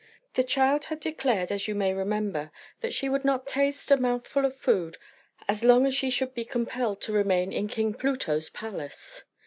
The child had declared, as you may remember, that she would not taste a mouthful of food as long as she should be compelled to remain in King Pluto's palace.